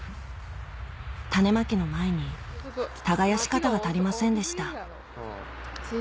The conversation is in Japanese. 種まきの前に耕し方が足りませんでした